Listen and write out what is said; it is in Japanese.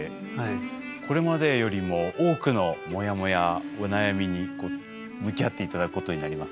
これまでよりも多くのモヤモヤお悩みにこう向き合って頂くことになりますが。